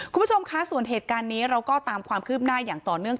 คุณผู้ชมคะส่วนเหตุการณ์นี้เราก็ตามความคืบหน้าอย่างต่อเนื่อง